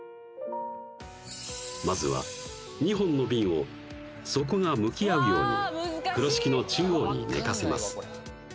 まずは２本のビンを底が向き合うように風呂敷の中央に寝かせます